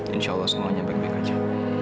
insya allah semuanya baik baik aja